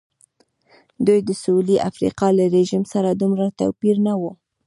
دوی د سوېلي افریقا له رژیم سره دومره توپیر نه و.